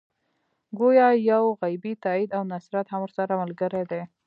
ګویا یو غیبي تایید او نصرت هم ورسره ملګری دی.